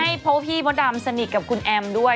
ใช่เพราะว่าพี่มดดำสนิทกับคุณแอมด้วย